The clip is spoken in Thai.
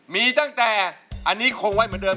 มีตั้งแต่อันนี้คงไว้เหมือนเดิม